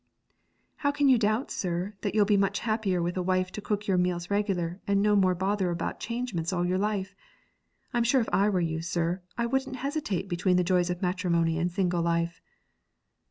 'How can you doubt, sir, that you'll be much happier with a wife to cook your meals regular, and no more bother about changements all your life? I'm sure if I were you, sir, I wouldn't hesitate between the joys of matrimony and single life.'